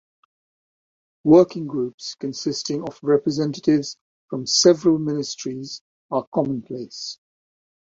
Working groups consisting of representatives from several ministries are commonplace.